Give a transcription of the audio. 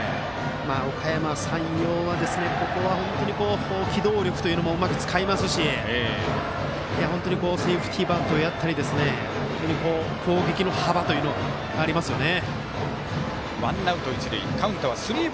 おかやま山陽はここは本当に機動力というのもうまく使いますし本当にセーフティーバントやったり非常に攻撃の幅というのがありますよね。